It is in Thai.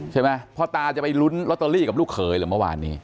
พ่อตาจะไปลุ้นลอตเตอรี่กับลูกเขยหรือเมื่อวานนี้